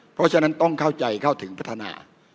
เพราะฉะนั้นต้องเข้าใจเข้าถึงพัฒนา